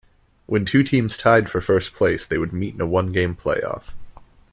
When two teams tied for first place, they would meet in a one-game playoff.